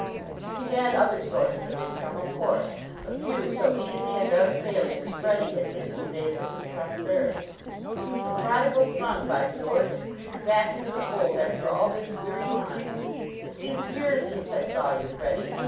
He had other sources of income, of course; but few so easy and unfailing as Freddie had been in the days of his prosperity. "The prodigal son, by George! Creeping back into the fold after all this weary time! It seems years since I saw you, Freddie.